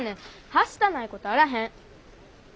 はしたないことあらへん。